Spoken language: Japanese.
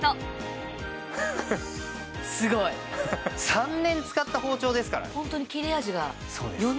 ３年使った包丁ですから。